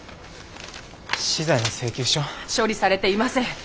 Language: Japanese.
資材の請求書？処理されていません。